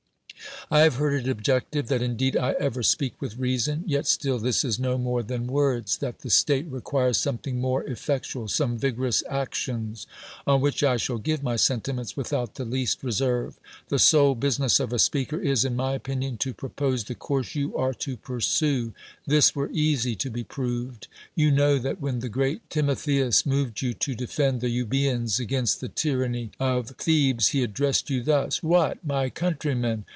I have heard it objected. "That indeed I ever speak with reason; yet still this is no more than words — that the state re( quires something more effectual, some vigorous actions." On which T shall give my sentiments without the least re serve. The sole business of a speaker is, in my opinion, to propose the course you are to pur sue. This were easy to be proved. You know that when the great Timotheus moved you to defend th(3 Euljo^ans against th(^ tyranny of Thebes, he addressed you thus : "What, my coun trymen